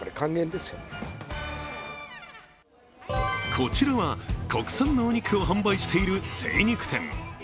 こちらは、国産のお肉を販売している精肉店。